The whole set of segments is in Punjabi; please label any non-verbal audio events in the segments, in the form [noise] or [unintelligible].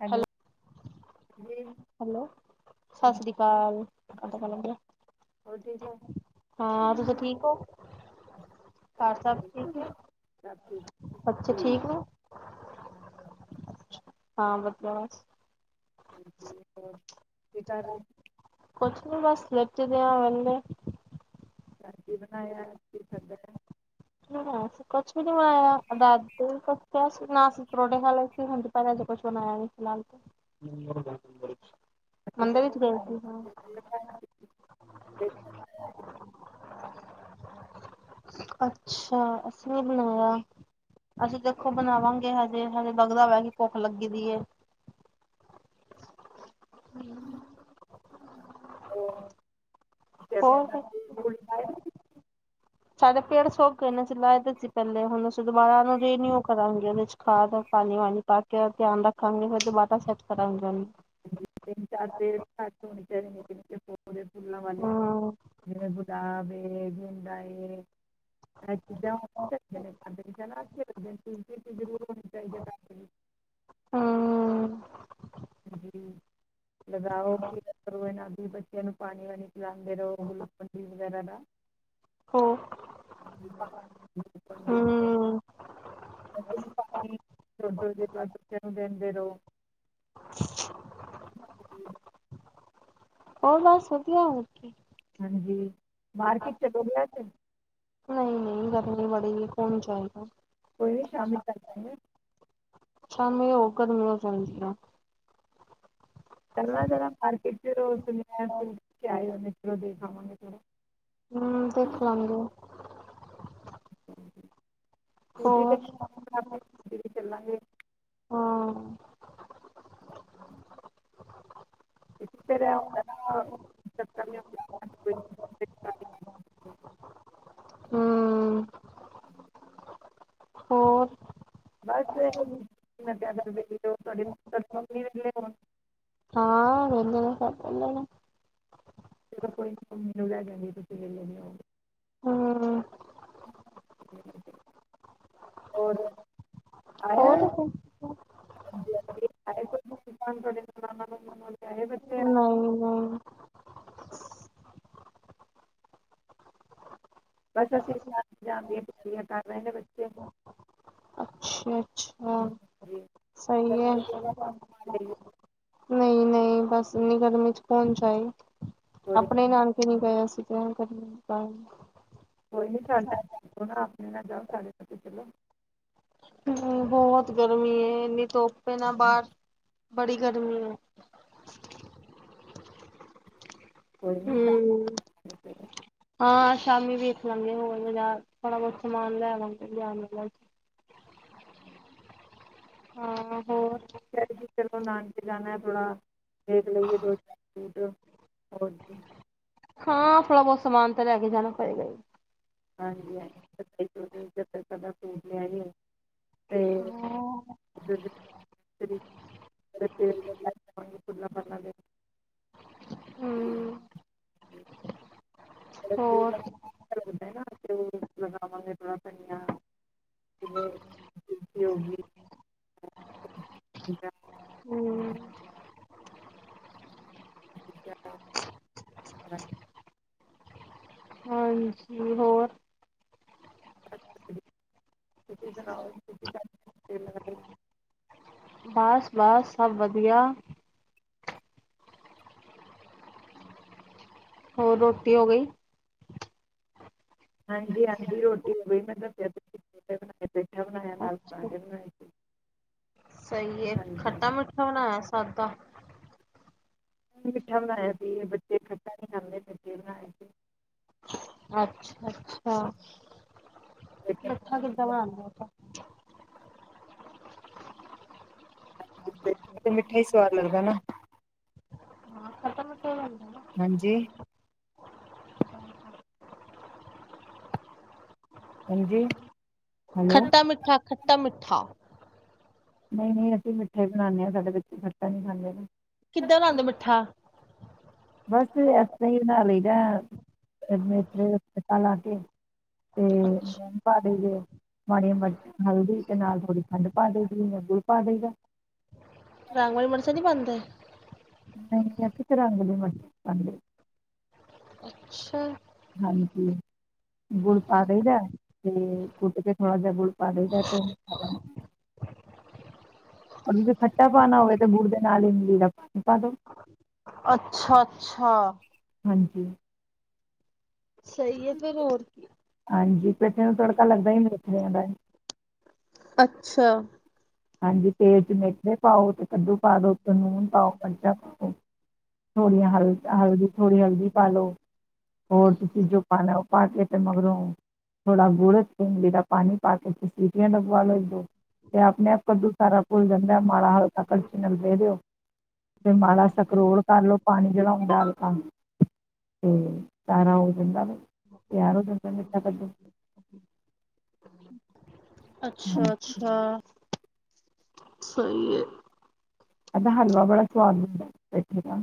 ਹੈਲੋ। ਜੀ ਹੈਲੋ, ਸਤਿ ਸ਼੍ਰੀ ਅਕਾਲ ਹੁਣ ਪਤਾ ਲੱਗਿਆ। ਹੋਰ ਠੀਕ ਹੋ ਹਾਂ ਤੁਸੀ ਠੀਕ ਹੋ ਘਰ ਸਬ ਠੀਕ ਏ। ਹਾਂਜੀ। ਬੱਚੇ ਠੀਕ ਨੇ ਹਾਂ ਬੱਚਾ ਬਸ। ਹਾਂਜੀ ਹੋਰ ਕੀ ਕਰ ਰਹੇ? ਕੁਛ ਨੀ ਬਸ ਲੈੱਟੇ ਦੇ ਆ ਵੇਹਲੇ। ਕੀ ਬਣਾਇਆ ਕੀ ਕਰਦਾ ਪਏ? [unintelligible] ਕੁਝ ਵੀ ਨਹੀਂ ਬਣਾਇਆ ਨਾਲ ਅਸੀਂ ਪਰੌਂਠੇ ਖਾ ਲਏ ਸੀ ਕੁਝ ਬਣਾਇਆ ਨਹੀ। ਅਸੀਂ [unintelligible] ਤੇ। ਅੱਛਾ ਅਸੀਂ ਨੀ ਬਣਾਇਆ। ਅਸੀਂ ਦੇਖੋ ਬਣਾਵਾਂਗੇ ਹਜੇ-ਹਜੇ ਲਗਦਾ ਪਿਆ ਕਿ ਭੁੱਖ ਲੱਗੀ ਦੀ ਏ। ਹਮ। ਹੋਰ ਤਾਂ ਫੇਰ? ਫੁੱਲ ਲਾਏ [inaudible] ਸਾਡੇ ਪੇੜ ਸੌਕ ਗਏ ਨੇ ਸੀ ਲਾਏ ਦੇ ਸੀ ਪਹਿਲੇ ਹੁਣ ਅਸੀਂ ਦੁਬਾਰਾ ਉਹਨੂੰ ਰਿਨਿਊ ਕਰਾਂਗੇ ਉਹਦੇ ਚ ਖਾਦ ਔਰ ਪਾਣੀ- ਵਾਣੀ। ਬਾਕੀ ਇਹਦਾ ਧਿਆਨ ਰੱਖਾਂਗੇ ਫੇਰ ਦੁਬਾਰਾ ਸੈੱਟ ਕਰਾਂਗੇ ਇਹਨੂੰ। ਤਿਨ ਚਾਰ ਪੇੜ ਘਰ ਹੋਣੇ ਚਾਹੀਦੇ ਨੇ ਨਿੱਕੇ- ਨਿੱਕੇ ਫੁੱਲਾਂ ਵਾਲੇ, ਹੂੰ। [unintelligible] [unintelligible] ਹਾ। ਲਗਾਓ ਕਿ ਕਰੋ ਇਹਨਾਂ ਵੀ ਬੱਚਿਆਂ ਨੂੰ ਪਾਣੀ ਵਾਣੀ। ਪੀ ਲਾਂਦੇ ਰਹੋ ਗੁਲੂਕੋ ਦੀ ਵਗੈਰਾ ਦਾ। [inaudible] ਹੋ [unintelligible] ਹੂੰ, ਥੋੜੀ- ਥੋੜੀ ਦੇਰ ਬਾਅਦ ਬੱਚਿਆਂ ਨੂੰ ਦਿੰਦੇ ਰਹੋ। [inaudible] ਹੂੰ। ਹੋਰ ਬਸ ਵਧੀਆ ਹੋਏਗੀ। ਹਾਂਜੀ ਮਾਰਕੀਟ ਚਲਾ ਗਿਆ ਓਹ ਤੇ। ਨਹੀਂ-ਨਹੀਂ, ਗਰਮੀ ਬੜੀ ਕੌਣ ਜਾਏਗਾ? ਕੋਈ ਨੀ ਸ਼ਾਮੀ ਚੱਲ ਪਾ ਗੇ। [unintelligible] [unintelligible] ਹੂੰ ਦੇਖ ਲਾਂਗੇ। [unintelligible] ਹੋਰ ਫੇਰ ਚੱਲਾਂਗੇ। ਹਾਂ। ਫੇਰ ਇਹ ਹੁੰਦਾ ਨਾ ਚਕਣ ਨਹੀਂ ਹੁੰਦਾ। ਕੋਈ ਹਾ। ਹੋਰ? [unintelligible] ਹਾਂ ਵੇਲੇ ਹੈ ਤਾਂ ਕਰ ਲੈਣਾ। [unintelligible] ਅਗਰ ਕੋਈ ਕੁਝ ਕਹੇਗਾ ਨੀ ਤੁਸੀਂ ਵੇਲੇ ਨਹੀਂ ਹੋਗੇ ਤਾਂ। ਹੂੰ, ਹੋਰ? ਆਇਆ ਹੋਰ ਹਾਂਜੀ-ਹਾਂਜੀ [unintelligible] ਡੇਹੇ ਬੱਚੇ ਆਏ ਨਹੀਂ ਨਹੀਂ ਬਸ ਅਸੀਂ ਐਗਾਮ ਆਨ ਦੀ ਤਿਆਰੀਆਂ ਕਰ ਰਹੇ ਨੇ ਬੱਚੇ। ਅੱਛਾ- ਅੱਛਾ ਜੀ ਸਹੀ ਹੈ-ਸਹੀ ਹੈ। ਨਹੀਂ- ਨਹੀਂ ਬਸ ਇੰਨੀ ਗਰਮੀ ਚ ਕੌਣ ਚਾਈ। ਕੋਈ ਆਪਣੇ ਨਾਨਕੇ ਨੀ ਗਏ ਅਸੀ ਤੇ ਕਦੀ ਕਹਿਣ। ਕੋਈ ਨਹੀਂ ਸਾਡੇ ਦ ਨਾ ਆਪਣੇ ਨਾ ਜਾਓ ਸਾਡੇ ਚਲੋ। ਕਾਰਨ ਬਹੁਤ ਗਰਮੀ ਹੈ, ਇੰਨੀ ਧੋਪ ਹੈ ਨਾ ਬਾਹਰ ਬੜੀ ਗਰਮੀ ਹੈ। ਕੋਈ ਨਹੀਂ ਹਮ ਸ਼ਾਮ ਹਾਂ ਸ਼ਾਮੀ ਵੇਖ ਲਾਂਗੇ ਹੋਰ ਥੋੜਾ ਬਹੁਤ ਸਮਾਨ ਲੈ ਲਵਾਂਗੇ ਲੈਨ ਵਾਲਾ ਹੈ। ਹਾਂ ਹੋਰ? ਸਰ ਜੀ ਚਲੋ ਨਾਨਕੇ ਜਾਣਾ ਹੈ ਥੋੜਾ ਦੇਖ ਲਈਏ ਦੋ -ਚਾਰ ਸੂਟ। ਓਰ ਜੀ? ਹਾਂ ਥੋੜਾ ਬਹੁਤ ਸਮਾਨ ਤਾਂ ਲੈ ਕੇ ਜਾਣਾ ਪਏਗਾ ਹੀ। ਹਾਂਜੀ- ਹਾਂਜੀ ਜੂ ਇਕ ਅੱਧਾ ਸੂਟ ਲਿਆਈ ਹੋਵੇ ਲਿਆ ਤੇ। ਹੂੰ, [inaudible] ਨਾਲੇ ਹੋਰ ਤੇਲ [unintelligible] ਨਾ ਲਗਾਵਾਂਗੇ ਥੋੜਾ ਤੁਲਸੀ ਹੋ ਗਈ ਜਾਂ ਹੂੰ, [inaudible] ਹਾਂਜੀ ਹੋਰ ਅੱਛਾ ਤੁਸੀ ਸੁਣਾਓ ਲ [inaudible] ਤੇਲ [unintelligible] ਬਸ ਬਸ ਸਭ ਵਧੀਆ। ਹੋਰ ਰੋਟੀ ਹੋ ਗਈ। ਹਾਂਜੀ ਹਾਂਜੀ, ਰੋਟੀ ਹੋ ਗਈ ਮੈਂ ਦੱਸਿਆ ਤੁਸੀਂ ਟ ਬਣਾਏ ਪੇਠਾ ਬਣਾਇਆ ਨਾਲ ਪਰਾਂਠੇ ਬਣਾਏ ਸੀ। ਸਹੀ ਏ, ਹਾਂਜੀ ਖੱਟਾ-ਮਿੱਠਾ ਬਣਾਇਆ, ਸਾਦਾ। ਮਿੱਠਾ ਬਣਾਇਆ ਸੀ, ਬੱਚੇ ਖੱਟਾ ਨੀ ਖਾਂਦੇ [unintelligible] ਬਣਾ ਕੇ। ਅੱਛਾ ਅੱਛਾ, ਪੈਠਾ ਕਿਦਾ ਬਣਾਣਾ ਇਹਦਾ ਤੇ ਮਿੱਠਾ ਈ ਸਵਾਦ ਲੱਗਦਾ ਨਾ। ਹਾਂ, ਖਤਮ ਤੇ ਹੁੰਦਾ ਨਾਂ। ਹਾਂਜੀ। ਹਾਂਜੀ। ਹੈਲੋ ਖੱਟਾ-ਮਿੱਠਾ, ਖੱਟਾ-ਮਿੱਠਾ। ਨਈ ਨਈਂ, ਅਸੀਂ ਮਿੱਠੇ ਬਣਾਉਂਣੇ ਆਂ ਸਾਡੇ ਬੱਚੇ ਖੱਟਾ ਨੀ ਖਾਂਦੇ। ਕਿੱਧਰ ਆਂਦੇ ਠਾ ਬਸ ਫਿਰ ਇਸ ਤਰ੍ਹਾਂ ਹੀ ਬਣਾ ਲਈਦਾ [unintelligible] ਖੱਟਾ ਲਾ ਕੇ। ਤੇ ਅੱਛਾ ਲੂਣ ਪਾ ਦਈਏ। ਮਾੜੀਆਂ ਮਿਰਚਾਂ, ਹਲਦੀ ਤੇ ਨਾਲ ਥੋੜ੍ਹੀ ਖੰਡ ਪਾ ਦਈਦੀ [unintelligible] ਪਾ ਦਈਦਾ। ਰਾਂਗਵਾਲੀ ਮਣਸਾ ਨੀ ਬਣਦੇ। ਨਈ ਤੇ ਅਸੀਂ ਤੇ ਰੰਗ ਆਲੀ ਮਰਚਾਂ ਪਾਂਦੇ। ਅੱਛਾ। ਹਾਂਜੀ। ਗੁੜ ਪਾ ਦੇਈਦਾ ਤੇ ਕੁੱਟ ਕੇ ਥੋੜਾ ਜਿਹਾ ਗੁੜ ਪਾ ਦੇਈਦਾ ਤੇ ਮਿੱਠਾ ਬਣ ਜਾ ਅਗਰ ਤੁਸੀਂ ਖੱਟਾ ਪਾਉਣਾ ਹੋਵੇ ਤੇ ਗੁੜ ਦੇ ਨਾਲ ਈ ਇਮਲੀ ਦਾ [unintelligible] ਪਾ ਦੋ। ਅੱਛਾ ਅੱਛਾ। ਹਾਂਜੀ। ਸਹੀ ਐ ਫਿਰ ਹੋਰ ਕੀ। ਹਾਂਜੀ, ਪੇਠੇ ਨੂੰ ਤੜਕਾ ਲੱਗਦਾ ਈ ਨੀਂ ਮੇਥੇਰਿਆਂ ਦਾ। ਅੱਛਾ। ਹਾਂਜੀ ਤੇਲ ਚ ਮੇਥਰੇ ਪਾਓ ਤੇ ਕੱਦੂ ਪਾ ਦੋ ਤੇ ਲੂਨ ਪਾਓ ਮਰਚਾਂ ਪਾਦੋ। ਥੋੜੀਆਂ ਹਲ ਹਲਦੀ ਥੋੜ੍ਹੀ ਹਲਦੀ ਪਾਲ ਲੋ। ਹੋਰ ਤੁਸੀਂ ਜੋ ਪਾਣਾ ਉਹ ਪਾ ਕੇ ਤੇ ਮਗਰੋਂ ਥੋੜ੍ਹਾ ਗੁੜ੍ਹ, ਥੋ ਇਮਲੀ ਦਾ ਪਾਣੀ ਪਾ ਕੇ ਤੁਸੀ ਸੀਟੀਆਂ ਲਗਵਾ ਲਓ ਦੋ ਅਤੇ ਆਪਣੇ ਆਪ ਕੱਦੂ ਸਾਰਾ ਘੁਲ ਜਾਂਦਾ ਮਾੜਾ ਹਲਕਾ ਕਲਛੀ ਨਾਲ ਫੈ ਦਿਓ। ਫਿਰ ਮਾੜਾ ਸਕਰੋਲ ਕਰ ਲੋ ਪਾਣੀ ਦੇ ਨਾਲ [unintelligible] ਤੇ ਸਾਰਾ ਹੋ ਜਾਂਦਾ ਵੇ ਤਿਆਰ ਹੋ ਜਾਂਦਾ ਮਿੱਠਾ ਕੱਦੂ। ਅੱਛਾ ਅੱਛਾ, ਸਹੀ ਐ। ਐਦਾ ਹਲਵਾ ਬੜਾ ਸੁਆਦ ਬਣਦਾ, ਪੇਠੇ ਦਾ।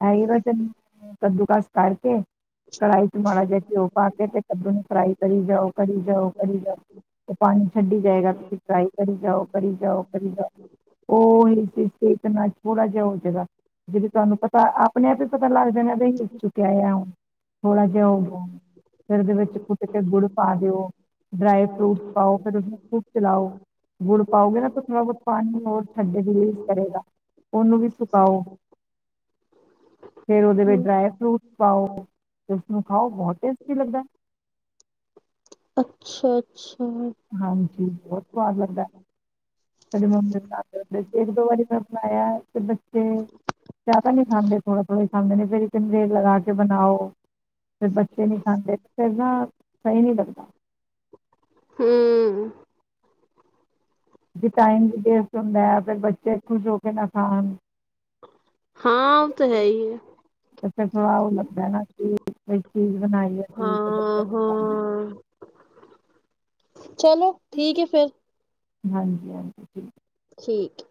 [unintelligible] ਕੱਦੂ ਕਸ ਕਰ ਕੇ ਕੜਾਹੀ ਚ ਮਾੜਾ ਜਿਹਾ ਘਿਓ ਪਾ ਕੇ ਤੇ ਕੱਦੂ ਨੂੰ ਫਰਾਈ ਕਰੀ ਜਾਓ, ਕਰੀ ਜਾਓ, ਕਰੀ ਜਾਓ। ਤੇ ਪਾਣੀ ਛੱਡੀ ਜਾਏਗਾ ਤੁਸੀਂ ਟਰਾਈ ਕਰੀ ਜਾਓ ਕਰੀ ਜਾਓ ਕਰੀ ਜਾਓ। ਉਹ [unintelligible] ਥੋੜਾ ਜਿਹਾ ਹੋ ਜਗਾ ਜਿਹੜੀ ਤੁਹਾਨੂੰ ਪਤਾ ਆਪਣੇ ਆਪ ਹੀ ਪਤਾ ਲੱਗ ਜਾਣਾ ਬ ਚੁੱਕਿਆ ਆ ਹੁਣ ਥੋੜਾ ਜਿਹਾ ਹੋ ਗਿਆ। ਫਿਰ ਉਹਦੇ ਵਿੱਚ ਕੁੱਟ ਕੇ ਗੁੜ ਪਾ ਦਿਓ ਡਰਾਈ ਫਰੂਟਸ ਪਾਓ ਫਿਰ ਉਹਨੂੰ ਖੂਬ ਚਲਾਓ। ਗੁੜ ਪਾਓਗੇ ਨਾ ਤਾਂ ਥੋੜਾ ਬਹੁਤ ਪਾਣੀ ਹੋਰ ਠੰਡਾ ਵੀਲੇਜ਼ ਕਰੇਗਾ ਉਹਨੂੰ ਵੀ ਸੁਕਾਓ। ਫਿਰ ਉਹਦੇ ਵਿੱਚ ਡਰਾਈ ਫਰੂਟਸ ਪਾਓ ਤੇ ਉਸਨੂੰ ਖਾਓ ਬਹੁਤ ਟੇਸਟੀ ਲੱਗਦਾ। ਅੱਛਾ- ਅੱਛਾ। ਹਾਂਜੀ ਬਹੁਤ ਸਵਾਦ ਲੱਗਦਾ। ਸਾਰੀ ਮੰਮੀ ਬਣਾਉਂਦੇ ਹੁੰਦੇ ਇੱਕ ਦੋ ਵਾਰੀ ਮੈਂ ਬਣਾਇਆ ਤੇ ਬੱਚੇ ਜ਼ਿਆਦਾ ਨੀ ਖਾਂਦੇ ਥੋੜਾ ਥੋੜਾ ਖਾਂਦੇ ਨੇ ਫਿਰ ਇੱਕੇਟ ਲਗਾ ਕੇ ਬਣਾਓ। ਫਿਰ ਬੱਚੇ ਨਹੀਂ ਖਾਂਦੇ ਫਿਰ ਨਾ ਸਹੀ ਨਹੀਂ ਲੱਗਦਾ। ਹਮ ਟਾਈਮ ਵੀ ਵੇਸਟ ਹੁੰਦਾ ਹੈ ਫਿਰ ਬੱਚੇ ਖੁਸ਼ ਹੋ ਕੇ ਨਾ ਖਾਣ। ਹਾਂ ਹੋ ਤਾਂ ਹੈ ਹੀ। [unintelligible] ਇੱਕ ਚੀਜ਼ ਬਣਾਈ ਆ ਬੱਚਿਆਂ ਹਾਂ ਨੂੰ ਹਾਂ ਚਲੋ ਠੀਕ ਹੈ ਫਿਰ ਹਾਂਜੀ ਹਾਂਜੀ। ਠੀਕ ਠੀਕ।